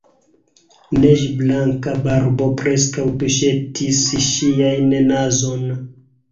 Neĝblanka barbo preskaŭ tuŝetis ŝian nazon.